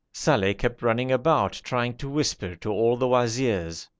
Saleh kept running about trying to whisper to all the wazirs.